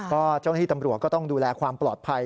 ก็เจ้าหน้าที่ตำรวจก็ต้องดูแลความปลอดภัย